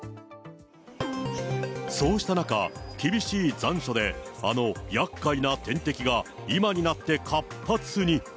そうした中、厳しい残暑で、あのやっかいな天敵が、今になって活発に。